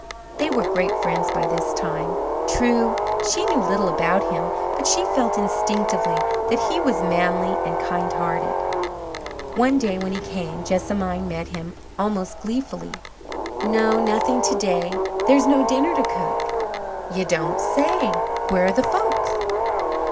They were great friends by this time. True, she knew little about him but she felt instinctively that he was manly and kind hearted. One day when he came Jessamine met him almost gleefully. "No, nothing today. There is no dinner to cook." "You don't say. Where are the folks?"